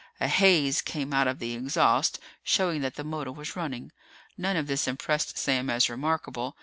A haze came out of the exhaust, showing that the motor was running. None of this impressed Sam as remarkable.